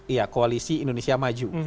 iya koalisi indonesia maju